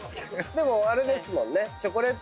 でもあれですもんね。